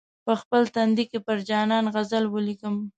په خپل تندي کې پر جانان غزل ولیکم.